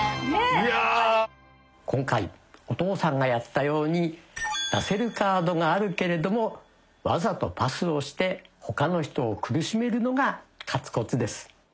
今回お父さんがやったように出せるカードがあるけれどもわざとパスをして他の人を苦しめるのが勝つコツです。